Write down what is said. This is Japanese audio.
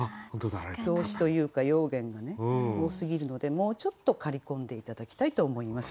動詞というか用言がね多すぎるのでもうちょっと刈り込んで頂きたいと思います。